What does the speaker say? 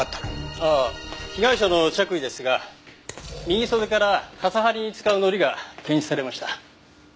ああ被害者の着衣ですが右袖から傘張りに使う糊が検出されました。